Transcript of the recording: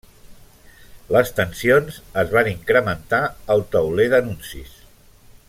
Les tensions es van incrementar al tauler d’anuncis.